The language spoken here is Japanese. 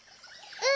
うん。